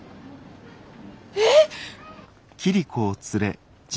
えっ？